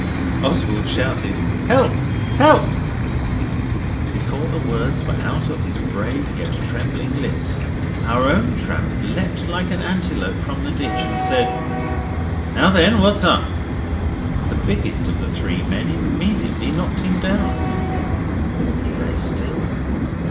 Oswald shouted 'Help, help!' Before the words were out of his brave yet trembling lips our own tramp leapt like an antelope from the ditch and said 'Now then, what's up?' The biggest of the three men immediately knocked him down. He lay still.